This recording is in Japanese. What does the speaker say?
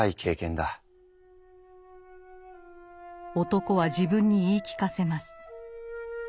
男は自分に言い聞かせます。